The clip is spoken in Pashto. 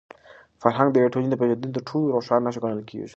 فرهنګ د یوې ټولني د پېژندني تر ټولو روښانه نښه ګڼل کېږي.